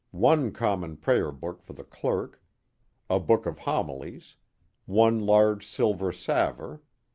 One common prayer book for the clerk. A book of homilies. One large silver salver.